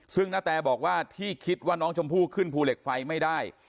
ซึ่งณแตบอกว่าที่คิดว่าน้องชมพู่ขึ้นภูเหล็กไฟไม่ได้